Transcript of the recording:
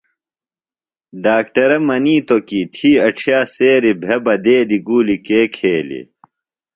ڈاکٹرہ منِیتوۡ کی تھی اڇِھیہ سیریۡ بھےۡ بہ دیدیۡ گُولیۡ کے کھیلِے؟